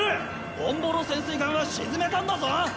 オンボロ潜水艦は沈めたんだぞ！